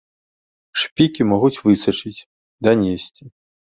Шпікі могуць высачыць, данесці.